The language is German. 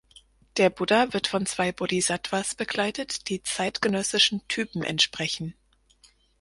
Der Buddha wird von zwei Bodhisattvas begleitet, die zeitgenössischen Typen entsprechen.